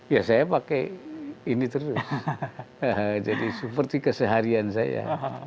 ya saya pakai ini terus jadi seperti keseharian saya